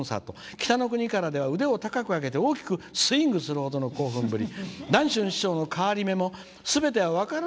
「北の国から」では腕を高く上げて大きくスイングするほどの興奮ぶり。